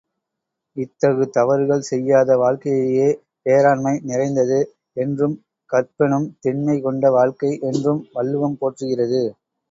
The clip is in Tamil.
இத்தகு தவறுகள் செய்யாத வாழ்க்கையையே, பேராண்மை நிறைந்தது என்றும், கற்பெனும் திண்மை கொண்ட வாழ்க்கை என்றும் வள்ளுவம் போற்றுகிறது.